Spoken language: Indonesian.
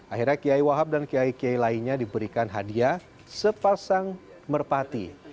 akhirnya kiai wahab dan kiai kiai lainnya diberikan hadiah sepasang merpati